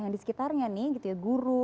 yang di sekitarnya nih gitu ya guru